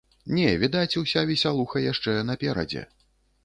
Не, відаць, уся весялуха яшчэ наперадзе.